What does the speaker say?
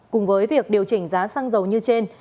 cùng với việc điều chỉnh giá xăng dầu như trên